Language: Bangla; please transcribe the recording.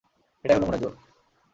এটাই হল মনের জোর।